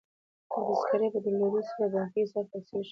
د تذکرې په درلودلو سره بانکي حساب خلاصیږي.